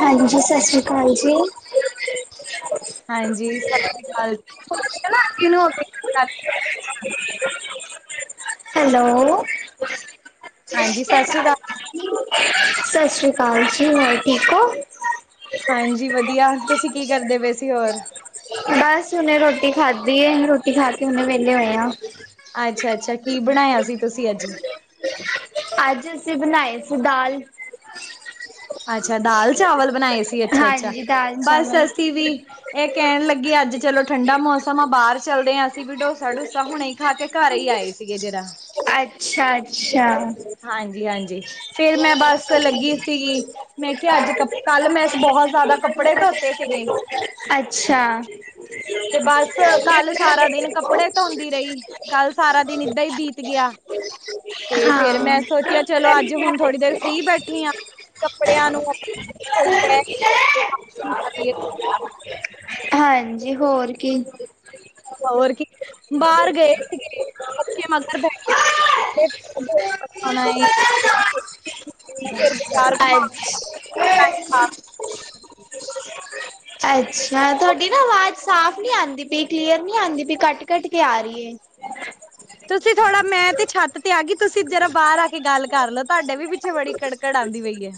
ਹਾਂਜੀ ਹੈਲੋ, ਸਸ ਸ੍ਰੀ ਕਾਲ ਜੀ। ਹਾਂਜੀ ਸਸ ਸ੍ਰੀ ਕਾਲ [inaudible] ਹੈਲੋ। ਹਾਂਜੀ ਸਸ ਸ੍ਰੀ ਕਾ ਸਸ ਸ੍ਰੀ ਕਾਲ ਜੀ ਹੋਰ ਠੀਕ ਔ। ਹਾਂਜੀ ਵਧੀਆ ਤੁਸੀ ਕੀ ਕਰਦੇ ਪਏ ਸੀ ਹੋਰ? ਬਸ ਹੁਨੇ ਰੋਟੀ ਖਾਧੀ ਹੈ ਰੋਟੀ ਖਾ ਕੇ ਹਨੇ ਵਿਹਲੇ ਹੋਏ ਆ। ਅੱਛਾ-ਅੱਛਾ ਕੀ ਬਣਾਇਆ ਸੀ ਤੁਸੀਂ ਅੱਜ। ਅੱਜ ਅਸੀ ਬਣਾਏ ਸੀ ਦਾਲ ਅੱਛਾ ਦਾਲ ਚਾਵਲ ਬਣਾਏ ਸੀ ਅੱਛਾ-ਅੱਛਾ ਹਾਂਜੀ ਦਾਲ ਬਸ ਚਾਵਲ ਅਸੀ ਵੀ ਇਹ ਕਹਿਣ ਲੱਗੀ ਅੱਜ ਚਲੋ ਠੰਡਾ ਮੌਸਮ ਆ ਬਾਹਰ ਚੱਲਦੇ ਹਾ ਅਸੀ ਵੀ ਡੋਸਾ ਡੋਸਾ ਹੁਣੇ ਖਾ ਕੇ ਘਰ ਹੀ ਆਏ ਸੀਗੇ ਜਰਾ। ਅੱਛਾ-ਅੱਛਾ। ਹਾਂਜੀ-ਹਾਂਜੀ ਫਿਰ ਮੈਂ ਬਸ ਲੱਗੀ ਸੀਗੀ ਮੈਂ ਕਿਹਾ ਅੱਜ ਕ ਕੱਲ ਮੈਂ ਬਹੁਤ ਜਾਦਾ ਕੱਪੜੇ ਧੋਤੇ ਸੀਗੇ। ਅੱਛਾ। ਤੇ ਬਸ ਕੱਲ ਸਾਰਾ ਦਿਨ ਕੱਪੜੇ ਧੋਂਦੀ ਰਹੀ ਕੱਲ ਸਾਰਾ ਦਿਨ ਏਦਾਂ ਹੀ ਬੀਤ ਗਿਆ। ਤੇ ਫੇਰ ਹਾਂ ਮੈਂ ਸੋਚਿਆ ਚਲੋ ਅੱਜ ਹੁਣ ਥੋੜ੍ਹੀ ਦੇਰ ਫਰੀ ਬੈਠੀ ਆ ਕੱਪੜਿਆ ਨੂੰ [inaudible] ਹਾਂਜੀ ਹੋਰ ਕੀ। ਹੋਰ ਕੀ ਬਾਰ ਗਏ ਸੀਗੇ ਬੱਚੇ ਮਗਰ ਪੈ ਗਏ। [inaudible] ਫਿਰ ਬਾਜ਼ਾਰ ਘੁਮਾ [inaudible] ਅੱਛ ਅੱਛਾ ਤੁਹਾਡੀ ਨਾ ਆਵਾਜ਼ ਸਾਫ ਨੀ ਆਦੀ ਪਈ ਕਲੀਅਰ ਨੀ ਆਦੀ ਪਈ ਕੱਟ-ਕੱਟ ਕੇ ਆ ਰਹੀ ਹੈ। ਤੁਸੀਂ ਥੋੜਾ ਮੈਂ ਤੇ ਛੱਤ ਤੇ ਆ ਗਈ ਤੁਸੀ ਜਰਾ ਬਾਰ ਆ ਕੇ ਗੱਲ ਕਰ ਲੋ ਤੁਹਾਡੇ ਵੀ ਪਿੱਛੇ ਬੜੀ ਕੜਕੜ ਆਦੀ ਪਈ ਹੈ।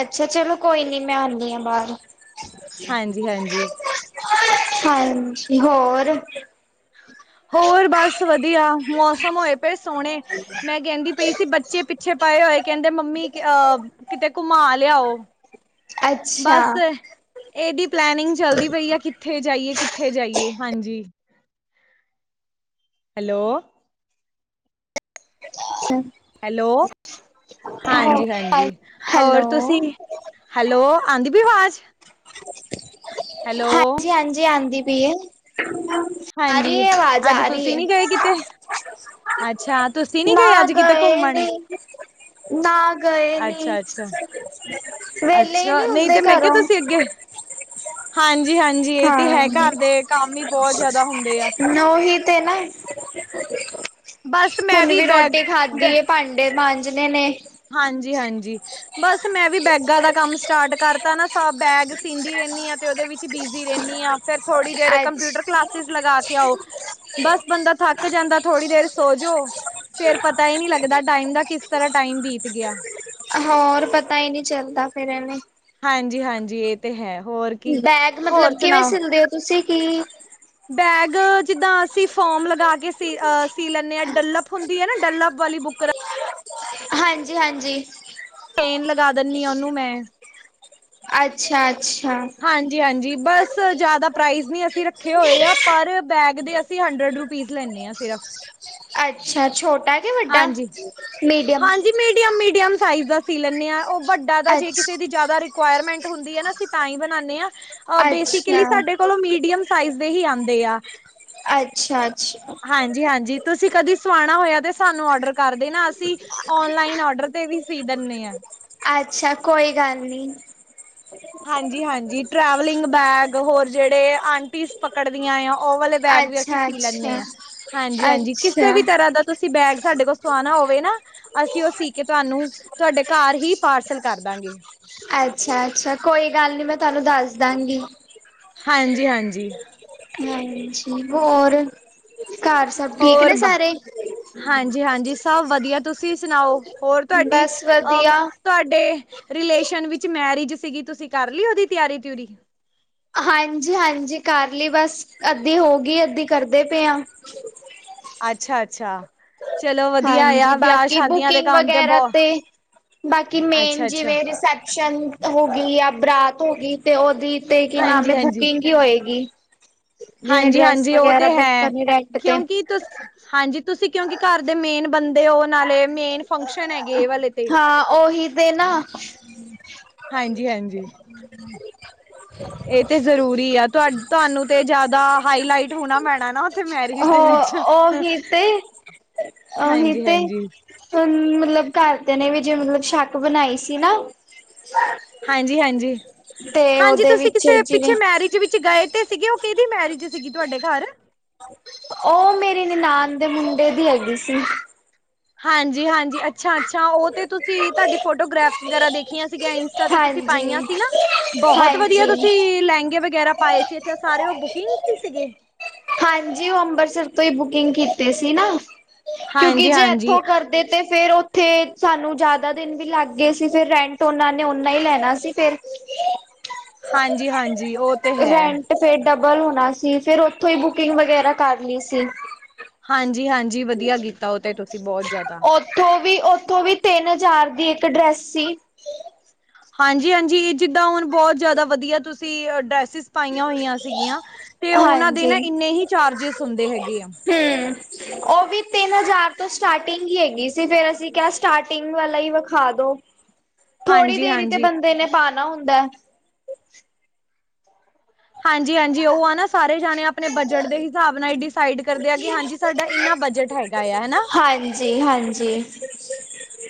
ਅੱਛਾ ਚਲੋ ਕੋਈ ਨੀ ਮੈਂ ਆਨੀ ਆ ਬਾਰ। ਹਾਂਜੀ-ਹਾਂਜੀ। ਹਾਂਜੀ ਹੋਰ। ਹੋਰ ਬਸ ਵਧੀਆ ਮੌਸਮ ਹੋਏ ਪਏ ਸੋਹਣੇ। ਮੈਂ ਕਹਿੰਦੀ ਪਈ ਸੀ ਬੱਚੇ ਪਿੱਛੇ ਪਏ ਹੋਏ ਕਹਿੰਦੇ ਮੰਮੀ ਅਹ ਕਿਤੇ ਘੁਮਾ ਲਿਆਓ ਬਸ ਅੱਛਾ ਇਹਦੀ ਪਲੈਨਿੰਗ ਚੱਲਦੀ ਪਈ ਆ ਕਿੱਥੇ ਜਾਈਏ ਕਿੱਥੇ ਜਾਈਏ ਹਾਂਜੀ। ਹੈਲੋ। [unintelligible] ਹੈਲੋ। ਹਾਂਜੀ-ਹਾਂਜੀ ਹੈਲੋ ਹੋਰ ਤੁਸੀਂ ਹੈਲੋ ਆਦੀ ਪਈ ਵਾਜ਼। ਹਾਂਜੀ-ਹਾਂਜੀ ਆਦੀ ਪਈਏ। ਆ ਹਾਂਜੀ ਰਹੀ ਏ ਆਵਾਜ਼ ਅੱਜ ਆ ਰਹੀ ਤੁਸੀਂ ਹੈ। ਨੀ ਗਏ ਕਿਤੇ ਅੱਛਾ ਤੁਸੀਂ ਨੀ ਗਏ ਨਾ ਅੱਜ ਕਿਤੇ ਗਏ ਘੁੰਮਣ ਨੀ, ਨਾ ਗਏ ਨੀ। ਅੱਛਾ-ਅੱਛਾ-ਅੱਛਾ ਵਿਹਲੇ ਹੀ ਨਹੀਂ ਤੇ ਹੁੰਦੇ ਮੈਂ ਕਿਹਾ ਘਰੋਂ। ਤੁਸੀਂ ਅੱਗੇ ਹਾਂਜੀ-ਹਾਂਜੀ ਇਹ ਤੇ ਹਾਂ ਹੈ ਘਰ ਦੇ ਕੰਮ ਵੀ ਬਹੁਤ ਜਾਦਾ ਹੁੰਦੇ ਆ। ਉਹੀ ਤੇ ਨਾ ਬਸ ਮੈਂ ਵੀ ਬੈਗ ਰੋਟੀ ਬ ਖਾਦੀ ਏ ਭਾਂਡੇ ਮਾਜਨੇ ਨੇ। ਹਾਂਜੀ-ਹਾਂਜੀ। ਬਸ ਮੈਂ ਵੀ ਬੈਗਾ ਦਾ ਕੰਮ ਸਟਾਰਟ ਕਰਤਾ ਨਾ ਸ ਬੈਗ ਸੀਦੀ ਰਹਿੰਦੀ ਆ ਤੇ ਉਹਦੇ ਵਿੱਚ ਬਿਜ਼ੀ ਰਹਿੰਦੀ ਆ। ਫਿਰ ਥੋੜੀ ਦੇਰ ਅੱਜ। ਕੰਪਿਊਟਰ ਕਲਾਸਿਸ ਲਗਾ ਕੇ ਆਓ। ਬਸ ਬੰਦਾ ਥੱਕ ਜਾਂਦਾ ਥੋੜੀ ਦੇਰ ਸੋਜੋ। ਫੇਰ ਪਤਾ ਹੀ ਨਹੀਂ ਲੱਗਦਾ ਟਾਈਮ ਦਾ ਕਿਸ ਤਰ੍ਹਾਂ ਟਾਈਮ ਬੀਤ ਗਿਆ। ਹੋਰ ਪਤਾ ਹੀ ਨਹੀਂ ਚੱਲਦਾ ਫਿਰ ਇਹਨੇ। ਹਾਂਜੀ ਹਾਂਜੀ ਇਹ ਤੇ ਹੈ ਹੋਰ ਕੀ ਬੈਗ ਹੋਰ ਮਤਲਬ ਕਿਵੇਂ ਸੁਣਾਓ। ਸਿਲਦੇ ਹੋ ਤੁਸੀਂ ਕੀ। ਬੈਗ ਜਿੱਦਾਂ ਅਸੀਂ ਫੋਰਮ ਲਗਾ ਕੇ ਸੀ ਲੈਂਦੇ ਹਾਂ ਡੱਲਪ ਹੁੰਦੀ ਹੈ ਨਾ ਡੱਲਪ ਵਾਲੀ ਬੁੱਕ। ਹਾਂਜੀ ਹਾਂਜੀ। ਪੇਨ ਲਗਾ ਦੇਨੀ ਆ ਉਹਨੂੰ ਮੈਂ। ਅੱਛਾ ਅੱਛਾ। ਹਾਂਨ। ਜੀ ਹਾਂਜੀ ਬਸ ਜ਼ਿਆਦਾ ਪ੍ਰਾਈਜ ਨਹੀਂ ਅਸੀਂ ਰੱਖੇ ਹੋਏ ਆ ਪਰ ਬੈਗ ਦੇ ਅਸੀਂ ਹੰਡਰਡ ਰੁਪੀਜ਼ ਲੈਂਦੇ ਹਾਂ। [unintelligible] ਸਿਰਫ ਅੱਛਾ ਛੋਟਾ। ਕਿ ਵੱਡਾ ਹਾਂਜੀ ਮੀਡੀਅਮ ਹਾਂਜੀ ਮੀਡੀਅਮ ਮੀਡੀਅਮ ਸਾਈਜ਼ ਦਾ। ਸੀ ਲੈਂਦੇ ਹਾਂ ਉਹ ਵੱਡਾ ਦਾ ਜੇ ਅੱਛ ਕਿਸੇ ਦੀ ਜਿਆਦਾ ਰਿਕੁਆਇਰਮੈਂਟ ਹੁੰਦੀ ਆ ਨਾ ਅਸੀਂ ਤਾਂਹੀ ਬਣਾਣੇ ਹਾਂ। ਆ ਅੱਛਾ, ਬੇਸਿਕਲੀ ਸਾਡੇ ਕੋਲੋਂ ਮੀਡੀਅਮ ਸਾਈਜ਼ ਦੇ ਹੀ ਆਂਦੇ ਆ। ਅੱਛਾ, ਅੱਛਾ। ਹਾਂਜੀ, ਹਾਂਜੀ ਤੁਸੀਂ ਕਦੀ ਸੁਆਣਾ ਹੋਇਆ ਤੇ ਸਾਨੂੰ ਡਰ ਕਰਦੇ ਨਾ ਅਸੀਂ ਓਨਲਾਈਨ ਡਰ ਤੇ ਵੀ ਸੀ ਦਿੰਦੇ ਹ ਅੱਛਾ ਕੋਈ ਗੱਲ ਨੀ ਹਾਂਜੀ, ਹਾਂਜੀ। ਟਰੈਵਲਿੰਗ ਬੈਗ ਹੋਰ ਜਿਹੜੇ ਆਂਟੀਸ ਪਕੜਦੀਆਂ ਆ ਉਹ ਵਾਲੇ। ਬੈਗ ਵੀ ਅਸੀਂ ਅੱਛਾ, ਸੀ ਲੈਂਦੇ ਅੱਛਾ, ਹਾਂ ਹਾਂਜੀ, ਹਾਂਜੀ ਕਿਸੇ ਅੱਛਾ, ਵੀ ਤਰ੍ਹਾਂ ਦਾ ਤੁਸੀਂ ਬੈਗ ਸਾਡੇ ਕੋਲ ਸਵਾਣਾ ਹੋਵੇ ਨਾ। ਅਸੀਂ ਉਹ ਸੀ ਕੇ ਤੁਹਾਨੂੰ ਤੁਹਾਡੇ ਘਰ ਹੀ ਪਾਰਸਲ ਕਰ ਦਾਂਗੇ। ਅੱਛਾ, ਅੱਛਾ ਕੋਈ ਗੱਲ ਨੀ। ਮੈਂ ਤੁਹਾਨੂੰ ਦੱਸ ਦਾਂਗੀ। ਹਾਂਜੀ, ਹਾਂਜੀ। ਹਾਂ। ਹੋਰ। ਘਰ ਸਭ ਠੀਕ ਹੋਰ ਨੇ ਸਾਰੇ? ਹਾਂਜੀ, ਹਾਂਜੀ ਸਭ ਵਧੀਆ। ਤੁਸੀਂ ਸੁਣਾਓ। ਹੋਰ ਤੁਹਾਡੀ ਬਸ ਆਰ ਵਧੀਆ। ਤੁਹਾਡੇ ਰਲੇਸ਼ਨ ਵਿੱਚ ਮੈਰਿਜ ਸੀਗੀ ਤੁਸੀਂ ਕਰ ਲੀ ਉਹਦੀ ਤਿਆਰੀ ਤਯੁਰੀ ਹਾਂਜੀ, ਹਾਂਜੀ ਕਰ ਲਈ ਬਸ ਅੱਧੀ ਹੋ ਗਈ ਅੱਧੀ ਕਰਦੇ ਪਏ ਹ। ਅੱਛਾ, ਅੱਛਾ ਚਲੋ ਵਧੀਆ ਹਾਂਜੀ, ਆ ਵਿਆਹ ਬਾਕੀ ਸ਼ਾਦੀਆਂ ਦੇ ਬੁਕਿੰਗ ਕੰਮ ਤੇ ਵਗੈਰਾ ਬਹੁਤ ਬਾਕੀ ਮੇਨ ਜਿਵੇਂ ਰਿਸੈਪਸ਼ਨ ਹੋ। ਗਈ ਜਾਂ ਬਰਾਤ ਹੋ ਗਈ। ਤੇ ਓਦੀ ਤੇ ਕੀ ਨਾਮ ਹਾਂਜੀ-ਹਾਂਜੀ ਬੁਕਿੰਗ ਹੀ ਹੋਏਗੀ। ਜਿਵੇਂ ਹਾਂਜੀ, ਡਰੈਸ ਹਾਂਜੀ ਉਹ ਤੇ ਵਗੈਰਾ ਬੁੱਕ ਹੈ ਕਰਨੀ ਰੈਂਟ ਤੇ ਕਿਉਂਕਿ ਤੁ ਹਾਂਜੀ। ਤੁਸੀਂ ਕਿਉਂਕਿ ਘਰ ਦੇ ਮੇਨ ਬੰਦੇ ਹੋ ਨਾਲੇ ਮੇਨ ਫੰਕਸ਼ਨ ਹੈਗੇ ਇਹ ਵਾਲੇ ਤੇ। ਹਾਂ ਉਹੀ ਤੇ ਨਾ। ਹਾਂਜੀ, ਹਾਂਜੀ। [unintelligible] [inaudible] ਇਹ ਤੇ ਜ਼ਰੂਰੀ ਆ ਤੁਹਾ ਤੁਹਾਨੂੰ ਤੇ ਜ਼ਿਆਦਾ ਹਾਈਲਾਈਟ ਹੋਣਾ ਪੈਣਾ ਨਾ ਉੱਥੇ ਮੈਰਿਜ ਦੇ ਵਿੱਚ। ਉਹ [inaudible] [unintelligible] ਹਾਂਜੀ ਹਾਂਜੀ। ਹ ਮਤਲਬ ਘਰ ਤੇ ਨੇ ਵੀ ਜੇ ਮਤਲਬ ਸ਼ੱਕ ਬਣਾਈ ਸੀ ਨਾ ਹਾਂਜੀ, ਹਾਂਜੀ ਤੇ ਹਾਂਜੀ ਉਹਦੇ ਤੁਸੀਂ ਵਿੱਚ ਕਿਸੇ ਜਿਵੇਂ ਪਿੱਛੇ ਮੈਰਿਜ ਵਿੱਚ ਗਏ ਤੇ ਸੀਗੀ ਉਹ ਕਿਹਦੀ ਮੈਰਿਜ ਸੀਗੀ ਤੁਹਾਡੇ ਘਰ। ਉਹ ਮੇਰੀ ਨਿ ਨਾਨ ਦੇ ਮੁੰਡੇ ਦੀ ਹੈਗੀ ਸੀ। ਹਾਂਜੀ, ਹਾਂਜੀ ਅੱਛਾ, ਅੱਛਾ। ਉਹ ਤੇ ਤੁਸੀਂ ਤੁਹਾਡੀ ਫੋਟੋਗ੍ਰਾਫ ਵਗੈਰਾ ਦੇਖ ਰ ਸੀਗੀਆਂ ਇੰਸਟਾ ਤੇ ਤੁਸੀਂ ਹਾਂਜੀ ਪਾਈਆਂ ਸੀ ਨਾ ਬਹੁਤ ਵਧੀਆ ਹਾਂਜੀ ਤੁਸੀਂ ਲਹਿੰਗੇ ਵਗੈਰਾ ਪਾਏ ਸੀ ਅੱਛਾ ਸਾਰੇ ਉਹ ਬੁਕਿੰਗ ਸੀਗੇ। ਹਾਂਜੀ। ਉਹ ਅੰਮ੍ਰਿਤਸਰ ਤੋਂ ਹੀ ਬੁਕਿੰਗ ਕੀਤੀ ਸੀ ਨਾ। ਕਿਉਂਕਿ ਜੇ ਹਾਂਜੀ-ਹਾਂਜੀ, ਇੱਥੋਂ ਕਰਦੇ ਤੇ ਫੇਰ ਉਥੇ ਸਾਨੂੰ ਜ਼ਿਆਦਾ ਦਿਨ ਵੀ ਲੱਗ ਗਏ ਸੀ ਫਿਰ ਰੈਂਟ ਉਹਨਾ ਨੇ ਓਨਾ ਹੀ ਲੈਣਾ ਸੀ ਫਿਰ। ਹਾਂਜੀ- ਹਾਂਜੀ। ਉਹ ਤੇ ਹੈ। ਰੈਂਟ ਫੇਰ ਡਬਲ ਹੋਣਾ ਸੀ ਫੇਰ ਉਥੋਂ ਹੀ ਬੁਕਿੰਗ ਵਗੈਰਾ ਕਰ ਲਈ ਸੀ। ਹਾਂਜ - ਹਾਂਜੀ। ਵਧੀਆ ਕੀਤਾ ਉਹ ਤੇ ਤੁਸੀਂ ਬਹੁਤ ਜ਼ਿਆਦਾ ਉਥੋਂ ਵੀ ਉਥੋਂ ਵੀ ਤਿੰਨ ਹਜ਼ਾਰ ਦੀ ਇੱਕ ਡਰੈਸ ਸੀ। ਹਾਂਜੀ- ਹਾਂਜੀ। ਇਹ ਜਿੱਦਾਂ ਹੁਣ ਬਹੁਤ ਜਿਆਦਾ ਵਧੀਆ ਤੁਸੀਂ ਡ੍ਰੈਸਿਸ ਪਾਈਆਂ ਹੋਈਆਂ ਸੀਗੀਆਂ। ਤੇ ਉਹਨਾ ਦੇ ਨਾ ਹਾਂਜੀ। ਇੰਨੇ ਹੀ ਚਾਰਜਿਸ ਹੁੰਦੇ ਹੈਗੇ ਆ ਹੂੰ। ਉਹ ਵੀ ਤਿੰਨ ਹਜ਼ਾਰ ਤੋਂ ਸਟਾਰਟਿੰਗ ਹੀ ਹੈਗੀ ਸੀ ਫੇਰ ਅਸੀਂ ਕਿਹਾ ਸਟਾਰਟਿੰਗ ਵਾਲਾ ਹੀ ਵਿਖਾ ਦੋ। [inaudible] ਥੋੜ੍ਹੀ ਦੇਰੀ ਤੇ ਹਾਂਜੀ-ਹਾਂਜੀ। ਬੰਦੇ ਨੇ ਪਾਣਾ ਹੁੰਦਾ ਹਾਂਜੀ - ਹਾਂਜੀ। ਉਹ ਆ ਨਾ ਸਾਰੇ ਜਾਣੇ ਆਪਣੇ ਬਜਟ ਦੇ ਹਿਸਾਬ ਨਾਲ ਇਡੀ ਸਾਈਡ ਕਰਦੇ ਆ ਕਿ ਹਾਂਜੀ ਸਾਡਾ ਇੰਨਾ ਬਜਟ ਹੈਗਾ ਆ ਹਨਾ ਜੀ ਹਾਂਜੀ।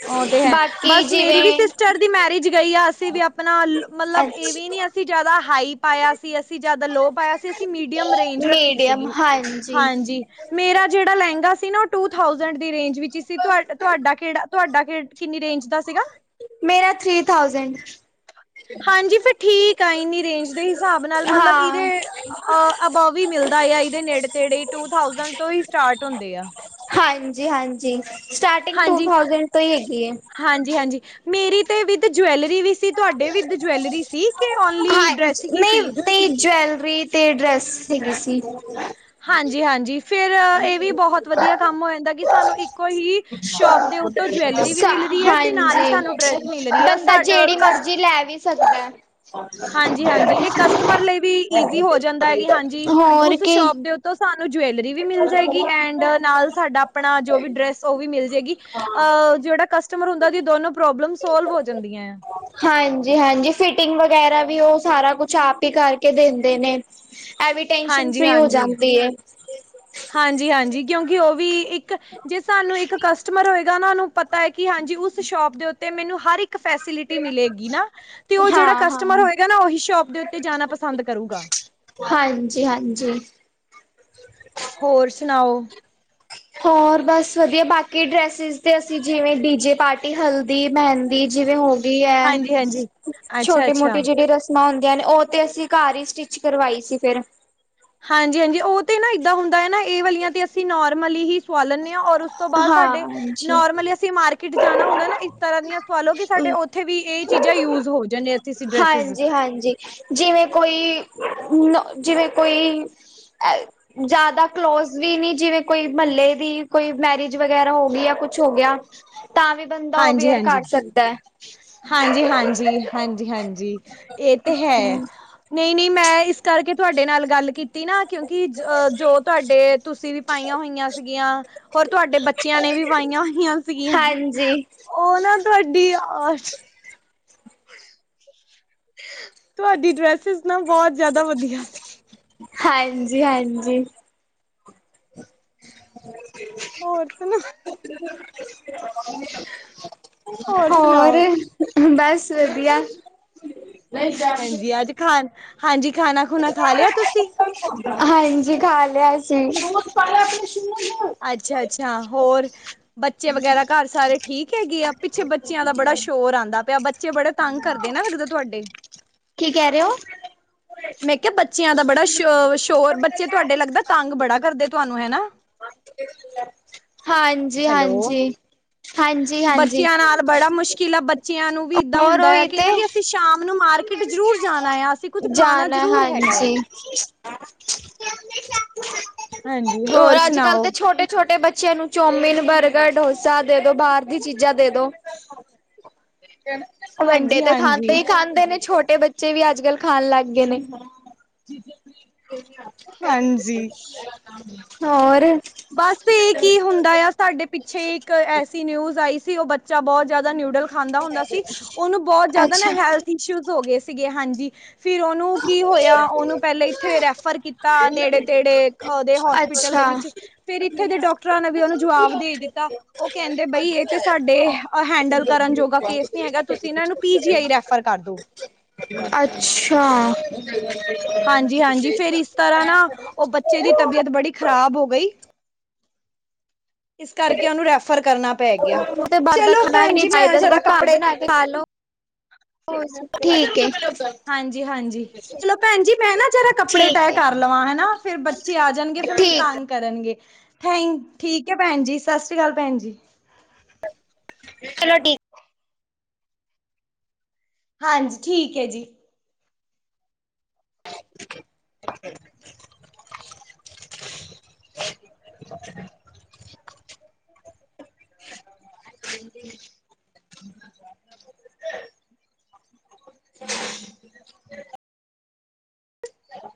ਉਹ ਤੇ ਹੈ ਬਾਕੀ ਬਸ ਮੇਰੀ ਵੀ ਜਿਵੇਂ ਸ ਚਾਰ ਦੀ ਮੈਰਿਜ ਗਈ ਆ ਅਸੀਂ ਵੀ ਆਪਣਾ ਮਤਲਬ ਇਹ ਵੀ ਨੀ ਅੱਛਾ। ਅਸੀਂ ਅਸੀਂ ਜਿਆਦਾ ਹਾਈ ਪਾਇਆ ਸੀ ਅਸੀਂ ਜਿਆਦਾ ਲੋਅ ਪਾਇਆ ਸੀ ਅਸੀਂ ਮੀਡੀਅਮ ਰੇਂਜ ਰੱਖੀ ਸੀਗੀ ਹਾਂਜੀ ਮੇਰਾ ਜਿਹੜਾ ਲਹਿੰਗਾ ਸੀ ਨਾ ਉਹ ਟੂ ਥਾਸੈਂਡ ਦੀ ਰੇਂਜ ਵਿੱਚ ਸੀ। ਤੁਹਾਡਾ ਕਿਹੜਾ ਤੁਹਾਡਾ ਕਿੰਨੀ ਰੇਂਜ ਦਾ ਸੀਗਾ। ਮੇਰਾ ਥ੍ਰਰੀ ਥਾਊਜੈਂਡ ਹਾਂਜੀ। ਫਿਰ ਠੀਕ ਆ ਇੰਨੀ ਰੇਂਜ ਦੇ ਹਿਸਾਬ ਨਾਲ ਮਤਲਬ ਹਾਂ, ਇਹਦੇ ਅਬਵ ਵੀ ਮਿਲਦਾ ਆ ਇਹਦੇ ਨੇੜੇ ਤੇੜੇ ਹੀ ਟੂ ਥਾਸੈਂਡ ਤੋਂ ਹੀ ਸਟਾਰਟ ਹੁੰਦੇ ਆ। ਹਾਂਜੀ - ਹਾਂਜੀ। ਸਟਾਰਟਿੰਗ ਟੂ ਥਾਜੈਂਡ ਤੋਂ ਹੀ ਹੈਗੀ ਹਾਂਜੀ - ਹਾਂਜੀ। ਮੇਰੀ ਤੇ ਵਿਦ ਜਵੈਲਰੀ ਵੀ ਸੀ। ਤੁਹਾਡੇ ਵੀ ਜਵੈਲਰੀ ਸੀ ਕਿ ਓਨਲੀ ਡਰੈਸ ਹੀ ਸੀ। ਨਹੀ ਜੁਵੇਲਰੀ ਤੇ ਡਰੈਸ ਹੈਗੀ ਸੀ। ਹਾਂਜੀ -ਹਾਂਜੀ। ਫਿਰ ਇਹ ਵੀ ਬਹੁਤ ਵਧੀਆ ਕੰਮ ਹੋ ਜਾਂਦਾ ਕਿ ਸਾਨੂੰ ਇੱਕੋ ਹੀ ਸ਼ੋਪ ਦੇ ਉ ਤੋਂ ਜਵੈਲਰੀ ਵੀ ਮਿਲ ਰਹੀ ਹੈ ਤੇ ਨਾਲ ਹੀ ਸਾਨੂੰ ਡਰੈਸ ਹਾਂਜੀ ਮਿਲ ਰਹੀ ਹੈ। ਬੰਦਾ ਜਿਹੜੀ ਮਰਜ਼ੀ ਲੈ ਵੀ ਸਕਦਾ ਹਾਂਜੀ - ਹਾਂਜੀ। ਇਹ ਕਸਟਮਰ ਲਈ ਇਜੀ ਹੋ ਜਾਂਦਾ ਹਾਂਜੀ ਹੋਰ ਉਸ ਕੀ ਸ਼ੋਪ ਤੋਂ ਸਾਨੂੰ ਡਿਵੈਲਰੀ ਜਵੈਲਰੀ ਵੀ ਮਿਲ ਜਾਏਗੀ ਐਂਡ ਨਾਲ ਸਾਡਾ ਆਪਣਾ ਜੋ ਵੀ ਡਰੈਸ ਉਹ ਵੀ ਮਿਲ ਜਾਏਗੀ। ਅਹ ਜਿਹੜਾ ਕਸਟਮਰ ਹੁੰਦਾ ਦੀ ਦੋਨੋ ਪ੍ਰੋਬਲਮ ਸੋਲਵ ਹੋ ਜਾਂਦੀਆਂ। ਆ ਹਾਂਜੀ - ਹਾਂਜੀ। ਫਿਟਿੰਗ ਵਗੈਰਾ ਵੀ ਉਹ ਸਾਰਾ ਕੁਛ ਆਪ ਹੀ ਕਰਕੇ ਦਿੰਦੇ ਨੇ। ਐ ਵੀ ਟੈਨਸ਼ਨ ਫ੍ਰਰੀ ਹੋ ਜਾਂਦੀ ਹੈ। ਹਾਂਜੀ -ਹਾਂਜੀ। ਕਿਉਂਕਿ ਉਹ ਵੀ ਇੱਕ ਜੇ ਸਾਨੂੰ ਇੱਕ ਕਸਟਮਰ ਹੋਏਗਾ। ਨੂੰ ਪਤਾ ਹੈ ਕਿ ਹਾਂਜੀ ਉਸ ਸ਼ੋਪ ਦੇ ਉਤੇ ਮੈਨੂੰ ਹਰ ਫੈਸਿਲਿਟੀ ਮਿਲੇਗੀ ਨਾ ਤੇ ਉਹ ਜਿਹੜਾ ਹਾਂ ਹਾਂ ਕਸਟਮਰ ਹੋਏਗਾ ਨਾ ਉਹੀ ਸ਼ੋਪ ਦੇ ਉੱਤੇ ਜਾਣਾ ਪਸੰਦ ਕਰੇਗਾ। ਹਾਂਜੀ - ਹਾਂਜੀ। ਹੋਰ ਸੁਣਾਓ। ਹੋਰ ਬਸ ਵਧੀਆ ਬਾਕੀ ਡਰੈਸਿਸ ਤੇ ਅਸੀਂ ਜਿਵੇਂ ਡੀ ਜੇ ਪਾਰਟੀ ਹਲਦੀ ਮਹਿੰਦੀ ਜਿਵੇਂ ਹੋ ਹੈ ਹਾਂਜੀ-ਹਾਂਜੀ ਛੋਟੀ ਮੋਟੀ ਅੱਛਾ-ਅੱਛਾ। ਜਿਹੜੀ ਰਸ ਹੁੰਦੀਆਂ ਨੇ ਉਹ ਤੇ ਅਸੀਂ ਘਰ ਹੀ ਸਟਿਚ ਕਰਵਾਈ ਸੀ ਫਿਰ ਹਾਂਜੀ- ਹਾਂਜੀ। ਉਹ ਤੇ ਨਾ ਏਦਾਂ ਹੁੰਦਾ ਹੈ ਨਾ ਇਹ ਵਾਲੀਆਂ ਤੇ ਅਸੀਂ ਨੋਰਮਲੀ ਹੀ ਸਵਾ ਲੈਂਦੇ ਹਾਂ ਔਰ ਉਸ ਤੋਂ ਬਾਅਦ ਹਾਂ ਸਾਡੇ ਨੋਰਮਲੀ ਅਸੀਂ ਮਾਰਕੀਟ ਜਾਣਾ ਹੁੰਦਾ ਨਾ ਇਸ ਤਰ੍ਹਾਂ ਦੀਆਂ ਸਵਾਲੋ ਕਿ ਸਾਡੇ ਉੱਥੇ ਵੀ ਇਹ ਚੀਜ਼ਾਂ ਯੂਜ ਹੋ ਜਾਂਦੇ ਕਿਸੀ ਡਰੈਸਿਸ ਹਾਂਜੀ ਹਾਂਜੀ ਹਾਂਜੀ ਜਿਵੇਂ ਕੋਈ ਜਿਵੇਂ ਕੋਈ ਜ਼ਿਆਦਾ ਕਲੋਜ ਵੀ ਨੀ ਜਿਵੇਂ ਕੋਈ ਮਹੱਲੇ ਦੀ ਕੋਈ ਮੈਰਿਜ ਵਗੈਰਾ ਹੋ ਗਈ ਜਾਂ ਕੁੱਛ ਹੋ ਗਿਆ ਤਾਂ ਵੀ ਬੰਦਾ ਉਹ ਹਾਂਜੀ- ਵੇਅਰ ਹਾਂਜੀ ਕਰ ਸਕਦਾ ਹੈ ਹਾਂਜੀ ਹਾਂਜੀ ਹਾਂਜੀ ਹਾਂਜੀ ਇਹ ਤੇ ਹੈ। ਨਹੀਂ ਨਹੀਂ ਮੈਂ ਇਸ ਕਰਕੇ ਤੁਹਾਡੇ ਨਾਲ ਗੱਲ ਕੀਤੀ ਨਾ ਕਿਉਂਕਿ ਜੋ ਤੁਹਾਡੇ ਤੁਸੀਂ ਪਾਈਆਂ ਹੋਈਆਂ ਸੀਗੀਆਂ ਹੋਰ ਤੁਹਾਡੇ ਬੱਚਿਆਂ ਨੇ ਵੀ ਪਾਈਆਂ ਹੋਈਆਂ ਸੀਗੀਆਂ ਜੀ ਉਹ ਨਾ ਤੁਹਾਡੀ ਆ [inaudible] ਤੁਹਾਡੀ ਡਰੈਸਿਸ ਨਾ ਬਹੁਤ ਜਿਆਦਾ ਵਧੀਆ ਸੀ। ਹਾਂਜੀ ਹਾਂਜੀ [inaudible] ਹੋਰ ਸੁਣਾ ਹੋਰ ਬਸ ਵਧੀਆ ਖਾਣਾ ਹਾਂਜੀ ਖਾਣਾ ਖੂਣਾ ਖਾ ਲਿਆ ਤੁਸੀਂ ਹਾਂਜੀ ਖਾ ਲਿਆ ਸੀ ਅੱਛਾ, ਅੱਛਾ ਹੋਰ ਬੱਚੇ ਵਗੈਰਾ ਘਰ ਸਾਰੇ ਠੀਕ ਹੈਗੀ ਆ ਪਿੱਛੇ ਬੱਚਿਆਂ ਦਾ ਬੜਾ ਸ਼ੋਰ ਆਂਦਾ ਪਿਆ ਬੱਚੇ ਬੜੇ ਤੰਗ ਕਰਦੇ ਨਾ ਲਗਦਾ ਤੁਹਾਡੇ ਕੀ ਕਹਿ ਰਹੇ ਹੋ [inaudible] ਮੈਂ ਕਿਹਾ ਬੱਚਿਆਂ ਦਾ ਬੜਾ ਸ਼ ਸ਼ੋਰ ਬੱਚੇ ਤੁਹਾਡੇ ਲੱਗਦਾ ਤੰਗ ਬੜਾ ਕਰਦੇ ਤੁਹਾਨੂੰ ਹਨਾ ਹਾਂਜੀ, ਹੈਲੋ। ਹਾਂਜੀ ਹਾਂਜੀ ਹਾਂਜੀ ਬੱਚਿਆਂ ਨਾਲ ਬੜਾ ਮੁਸ਼ਕਿਲ ਆ ਬੱਚਿਆਂ ਨੂੰ ਵੀ ਇਦਾ ਹੋਰ ਹੁੰਦਾ ਆ ਉਹੀ ਕਿ ਨਾ ਕਿ ਤੇ ਸ਼ਾਮ ਨੂੰ ਮਾਰਕੀਟ ਜਰੂਰ ਜਾਨਾ ਆ ਅਸੀਂ ਕੁੱਛ ਖਾਨਾ ਜ਼ਰੂਰ ਹੈਗਾ ਆ ਹਾਂਜੀ ਓ ਹੋਰ ਅੱਜ ਕਲ ਸੁਣਾਓ ਤੇ ਛੋਟੇ ਛੋਟੇ ਬੱਚਿਆਂ ਨੂੰ ਚੌਮਿਨ, ਬਰਗਰ, ਡੋਸਾ ਦੇ ਦੋ। ਬਾਹਰ ਦੀ ਚੀਜ਼ਾਂ ਦੇ ਦੋ [inaudible] ਵੱਡੇ ਤੇ ਹਾਂਜੀ-ਹਾਂਜੀ, ਖਾਂਦੇ ਹੀ ਖਾਂਦੇ ਛੋਟੇ ਬੱਚੇ ਵੀ ਅੱਜ ਕੱਲ੍ਹ ਖਾਨ ਲੱਗ ਗਏ ਨੇ ਹਾਂਜੀ। ਹਾਂਜੀ। ਹੋਰ ਬਸ ਇਹ ਕੀ ਹੁੰਦਾ ਤੁਹਾਡੇ ਪਿੱਛੇ ਇੱਕ ਐਸੀ ਨਿਊਜ਼ ਆਈ ਸੀ ਉਹ ਬੱਚਾ ਬਹੁਤ ਜ਼ਿਆਦਾ ਨਿਊਡ ਖਾਂਦਾ ਹੁੰਦਾ ਸੀ ਉਹਨੂੰ ਬਹੁਤ ਜਿਆਦਾ ਨਾ ਅੱਛਾ ਹੈਲਥ ਇਸ਼ੂ ਹੋ ਗਏ ਸੀਗੇ। ਹਾਂਜੀ ਫਿਰ ਉਹ ਉਹਨੂੰ ਕੀ ਹੋਇਆ ਉਹਨੂੰ ਪਹਿਲੇ ਇੱਥੇ ਰੈਫਰ ਕੀਤਾ ਨੇੜੇ, ਤੇੜੇ ਉਹਦੇ ਹੋਸਪਿਟਲ ਦੇ ਅੱਛਾ ਵਿੱਚ ਤੇ ਇੱਥੇ ਦੇ ਡਾਕਟਰਾਂ ਨੇ ਵੀ ਉਹਨੂੰ ਜਵਾਬ ਦੇ ਦਿੱਤਾ ਉਹ ਕਹਿੰਦੇ ਬਈ ਇਹ ਤੇ ਸਾਡੇ ਹੈਂਡਲ ਕਰਨ ਜੋਗਾ ਕੇਸ ਨੀ ਹੈਗਾ ਤੁਸੀਂ ਨਾ ਇਹਨਾਂ ਨੂੰ ਪੀ ਜੀ ਆਈ ਰੈਫਰ ਕਰਦੋ ਅੱਛਾ ਹਾਂਜੀ ਹਾਂਜੀ ਫਿਰ ਇਸ ਤਰ੍ਹਾਂ ਨਾ ਉਹ ਬੱਚੇ ਦੀ ਤਬੀਅਤ ਬੜੀ ਖ਼ਰਾਬ ਹੋ ਗਈ ਇਸ ਕਰਕੇ ਉਹਨੂੰ ਰੈਫਰ ਕਰਨਾ ਪੈ ਗਿਆ। ਤੇ ਬਾਹਰ ਦਾ ਚਲੋ ਖਾਣਾ ਵੀ ਪੈਣ ਨੀ ਜੀ ਮੈਂ ਚਾਹੀਦਾ ਜਰਾ ਸਗੋਂ ਘਰ ਕੱਪੜੇ ਬਣਾ ਕੇ ਖਾ ਲੋ ਠੀਕ ਏ ਹਾਂਜੀ, ਹਾਂਜੀ ਚਲੋ ਪੈਣ ਜੀ ਮੈਂ ਨਾ ਜਰਾ ਕੱਪੜੇ ਠੀਕ ਤੈਅ ਹੈ ਕਰ ਲਵਾਂ ਹਨਾ ਫੇਰ ਬੱਚੇ ਆ ਜਾਨਗੇ ਫੇਰ ਮੈਨੂੰ ਠੀਕ ਤੰਗ ਕਰਨਗੇ ਥੈਂਕ ਠੀਕ ਹੈ ਪੈਣ ਜੀ ਸਤਿ ਸ਼੍ਰੀ ਅਕਾਲ ਪੈਣ ਜੀ ਚਲੋ ਠੀਕ ਹਾਂਜੀ ਠੀਕ ਹੈ ਜੀ [inaudible]